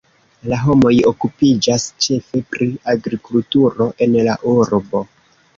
La homoj okupiĝas ĉefe pri agrikulturo en la urbo.